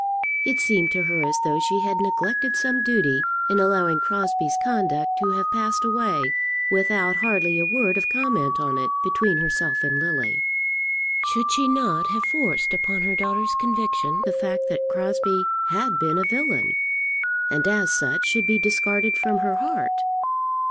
It seemed to her as though she had neglected some duty in allowing Crosbie's conduct to have passed away without hardly a word of comment on it between herself and Lily. Should she not have forced upon her daughter's conviction the fact that Crosbie had been a villain, and as such should be discarded from her heart?